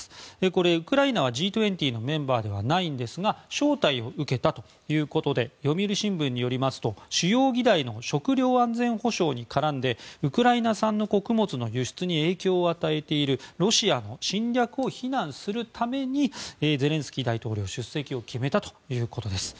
これ、ウクライナはＧ２０のメンバーではないんですが招待を受けたということで読売新聞によりますと主要議題の食料安全保障に絡んでウクライナ産の穀物の輸出に影響を与えているロシアの侵略を非難するためにゼレンスキー大統領は出席を決めたということです。